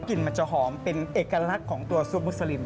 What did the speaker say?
มันจะหอมเป็นเอกลักษณ์ของตัวซุปมุสลิม